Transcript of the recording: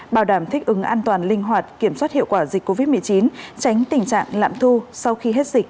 bảo đảm thích ứng an toàn linh hoạt kiểm soát hiệu quả dịch covid một mươi chín tránh tình trạng lạm thu sau khi hết dịch